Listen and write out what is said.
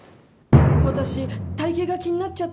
私体形が気になっちゃって。